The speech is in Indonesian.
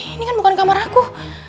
ini kan bukan kamar aku